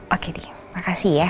oke di makasih ya